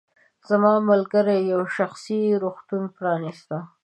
زما ملګرې یو شخصي روغتون پرانیسته.